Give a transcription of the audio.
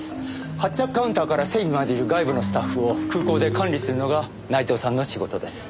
発着カウンターから整備までいる外部のスタッフを空港で管理するのが内藤さんの仕事です。